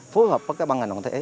phối hợp bằng các băng hành động thể